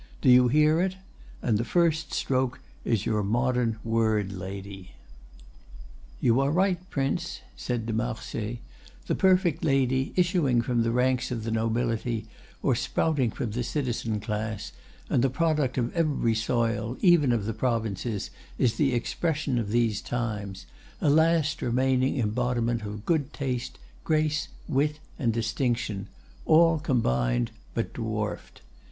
"Do you hear it? And the first stroke is your modern word lady." "You are right, Prince," said de Marsay. "The 'perfect lady,' issuing from the ranks of the nobility, or sprouting from the citizen class, and the product of every soil, even of the provinces is the expression of these times, a last remaining embodiment of good taste, grace, wit, and distinction, all combined, but dwarfed.